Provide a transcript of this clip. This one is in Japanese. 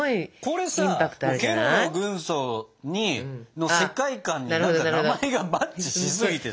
これさケロロ軍曹の世界観に名前がマッチしすぎてさ。